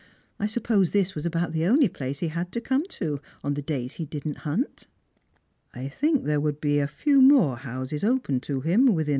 I suppose this was about the only place he had to come to, on the days he didn't hunt." " I think there would be a few more houses open to him within Strangers and Pilgrims.